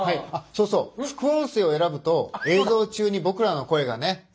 あっそうそう副音声を選ぶと映像中に僕らの声がね